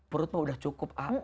perut mah udah cukup